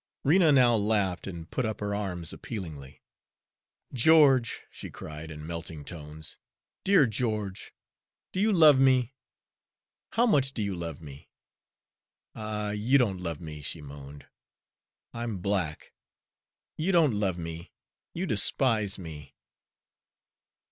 Rena now laughed and put up her arms appealingly. "George," she cried, in melting tones, "dear George, do you love me? How much do you love me? Ah, you don't love me!" she moaned; "I'm black; you don't love me; you despise me!"